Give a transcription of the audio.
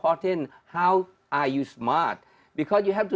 karena anda harus menjauhkan seluruh dunia